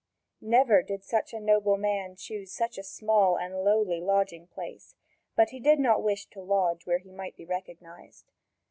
Never did such a noble man choose such a small and lowly lodging place; but he did not wish to lodge where he might be recognised.